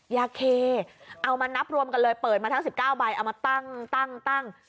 อ๋อยาเคเอามานับรวมกันเลยเปิดมาทั้งสิบเก้าใบเอามาตั้งตั้งตั้ง